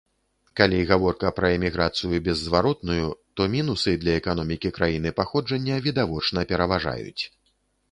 Калі гаворка пра эміграцыю беззваротную, то мінусы для эканомікі краіны паходжання відавочна пераважваюць.